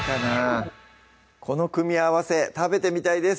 この組み合わせ食べてみたいです